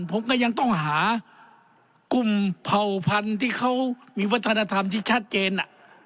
ผมก็ยังต้องหากลุ่มเผ่าพันธุ์ที่เขามีวัฒนธรรมที่ชัดเจน